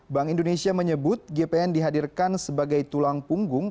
bank indonesia menyebut gpn dihadirkan sebagai tulang punggung